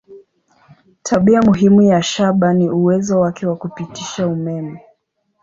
Tabia muhimu ya shaba ni uwezo wake wa kupitisha umeme.